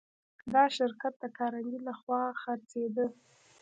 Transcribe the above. دا شرکت د کارنګي لهخوا خرڅېده